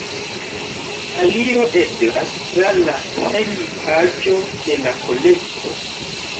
Aliro eblas tra la hejmpaĝo de la kolekto.